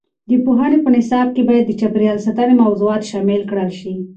د پوهنې په نصاب کې باید د چاپیریال ساتنې موضوعات شامل کړل شي.